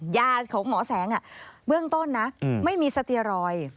หยาของหมอแสง่เบื้องต้นไม่มีสเตอรอย